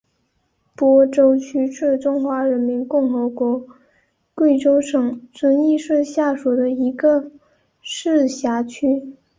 播州区是中华人民共和国贵州省遵义市下属的一个市辖区。